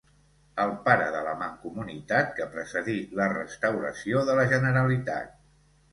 El pare de la Mancomunitat que precedí la restauració de la Generalitat.